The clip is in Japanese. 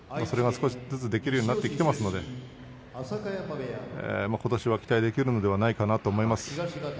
それが少しずつできるようになってきているのでことしは期待できるのではないかなと思っています。